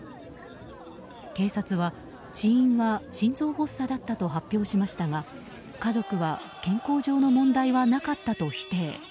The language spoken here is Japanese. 警察は、死因は心臓発作だったと発表しましたが家族は、健康上の問題はなかったと否定。